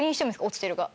落ちてるか。